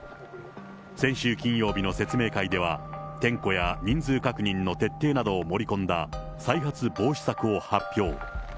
先週金曜日の説明会では、点呼や人数確認の徹底などを盛り込んだ再発防止策を発表。